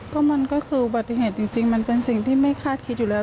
ก็มันก็คืออุบัติเหตุจริงมันเป็นสิ่งที่ไม่คาดคิดอยู่แล้ว